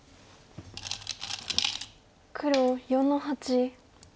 黒４の八。